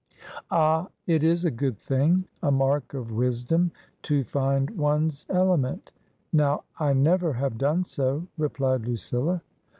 " Ah ! It IS a good thing — ^a mark of wisdom to find one's element. Now, I never have done so," replied Lucilla.